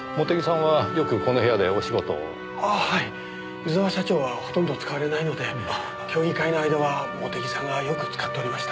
湯沢社長はほとんど使われないので競技会の間は茂手木さんがよく使っておりました。